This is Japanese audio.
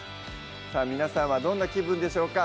さぁ皆さんはどんな気分でしょうか？